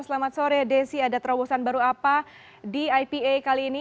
selamat sore desi ada terobosan baru apa di ipa kali ini